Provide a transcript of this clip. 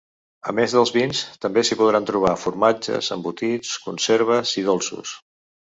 A més dels vins, també s’hi podran trobar formatges, embotits, conserves i dolços.